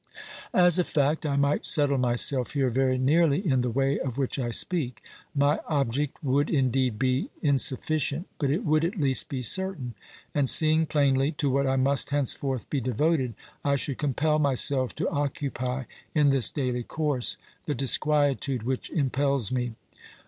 As a fact, I might settle myself here very nearly in the way of which I speak; my object would indeed be insuffi cient, but it would at least be certain ; and, seeing plainly to what I must henceforth be devoted, I should compel my self to occupy in this daily course the disquietude which impels me.